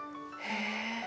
へえ。